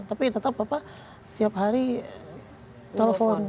tapi tetap bapak tiap hari telepon